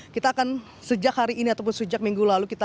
kita akan sejak hari ini ataupun sejak minggu lalu